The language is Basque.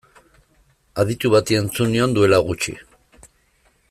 Aditu bati entzun nion duela gutxi.